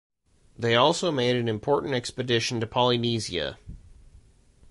They also made an important expedition to Polynesia.